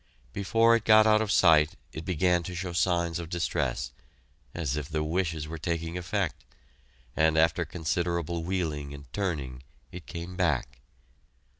Before it got out of sight, it began to show signs of distress, as if the wishes were taking effect, and after considerable wheeling and turning it came back.